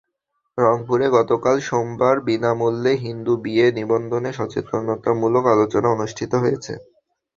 রংপুরে গতকাল সোমবার বিনা মূল্যে হিন্দু বিয়ে নিবন্ধনে সচেতনতামূলক আলোচনা অনুষ্ঠিত হয়েছে।